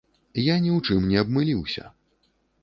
Я ні ў чым не абмыліўся!